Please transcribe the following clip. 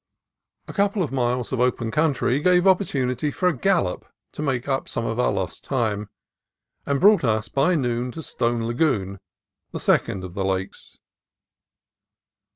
A couple of miles of open country gave opportu nity for a gallop to make up some of our lost time, and brought us by noon to Stone Lagoon, the sec ond of the lakes.